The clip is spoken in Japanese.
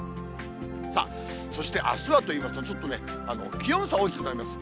さあ、そしてあすはといいますと、ちょっとね、気温差大きくなります。